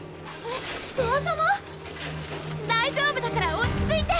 ⁉・大丈夫だから落ち着いて！